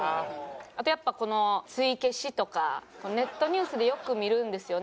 あとやっぱこのツイ消しとかネットニュースでよく見るんですよね。